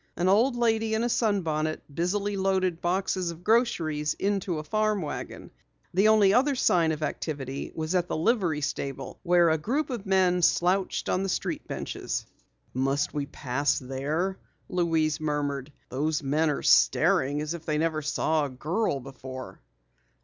An old lady in a sunbonnet busily loaded boxes of groceries into a farm wagon. The only other sign of activity was at the livery stable where a group of men slouched on the street benches. "Must we pass there?" Louise murmured. "Those men are staring as if they never saw a girl before."